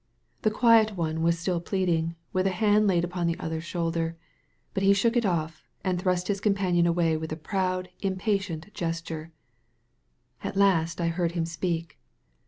The quiet one was still pleading, with a hand laid upon the other's shoulder. But he shook it off, and thrust his companion away with a proud, impatient gesture. At last I heard him speak.